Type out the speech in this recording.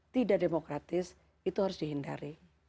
tidak demokratis itu harus dihindari